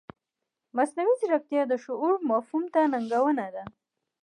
مصنوعي ځیرکتیا د شعور مفهوم ته ننګونه ده.